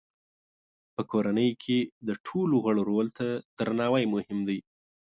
په کورنۍ کې د ټولو غړو رول ته درناوی مهم دی.